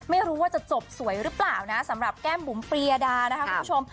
ไม่รู้ว่าจะจบสวยหรือเปล่านะสำหรับแก้มบุ๋มปริยดานะคะคุณผู้ชม